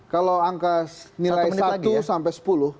kalau angka nilai satu sampai sepuluh